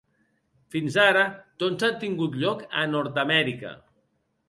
Fins ara tots han tingut lloc a Nord-Amèrica.